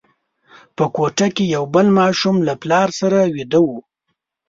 په کوټه کې یو بل ماشوم له پلار سره ویده وو.